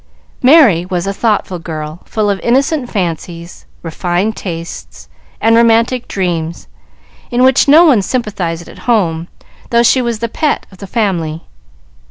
Merry was a thoughtful girl, full of innocent fancies, refined tastes, and romantic dreams, in which no one sympathized at home, though she was the pet of the family.